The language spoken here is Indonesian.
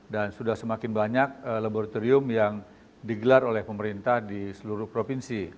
dan sudah semakin banyak laboratorium yang digelar oleh pemerintah di seluruh provinsi